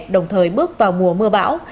đồng thời bước vào mùa mưa bão